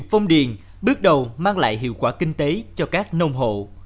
phong điền bước đầu mang lại hiệu quả kinh tế cho các nông hộ